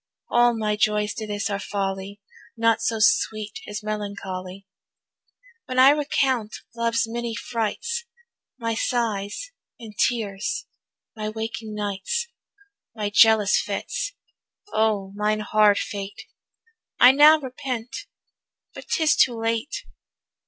All my joys to this are folly, Naught so sweet as melancholy. When I recount love's many frights, My sighs and tears, my waking nights, My jealous fits; O mine hard fate I now repent, but 'tis too late.